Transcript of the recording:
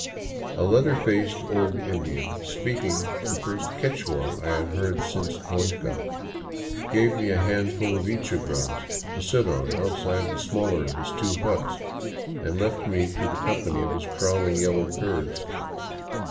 A leather faced old In dian, speaking the first Quichua I had heard since Cuenca, gave me a handful of ichu grass to sit on outside the smaller of his two huts, and left me to the company of his prowling yellow curs.